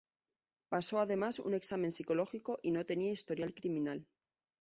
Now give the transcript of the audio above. Pasó además un examen psicológico y no tenía historial criminal.